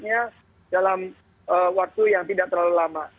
dan saya akan memastikan tindaklanjutnya dalam waktu yang tidak terlalu lama